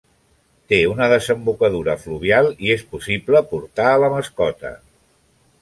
Té una desembocadura fluvial i és possible portar a la mascota.